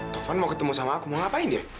taufan mau ketemu sama aku mau ngapain ya